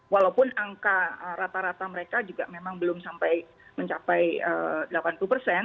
walaupun angka rata rata mereka juga memang belum sampai mencapai delapan puluh persen